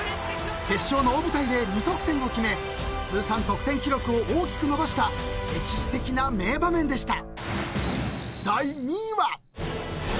［決勝の大舞台で２得点を決め通算得点記録を大きく伸ばした歴史的な名場面でした］